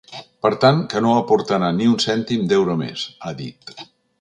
“Per tant, que no aportarà ni un cèntim d’euro més”, ha dit.